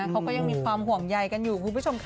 เขาก็ยังมีความห่วงใยกันอยู่คุณผู้ชมค่ะ